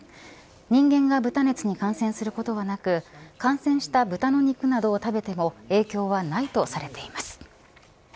人間が豚熱に感染することはなく感染した豚の肉などを食べても影響はないとされています。